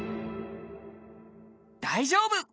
大丈夫！